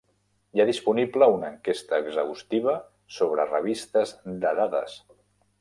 Hi ha disponible una enquesta exhaustiva sobre revistes de dades.